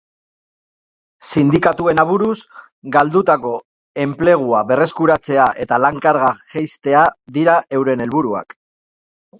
Sindikatuen aburuz, galdutako enplegua berreskuratzea eta lan-karga jaistea dira euren helburuak.